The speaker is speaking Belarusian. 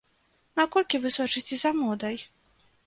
Наколькі вы сочыце за модай?